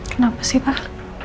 kenapa sih pak